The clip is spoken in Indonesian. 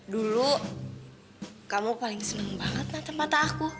dulu kamu paling seneng banget mata aku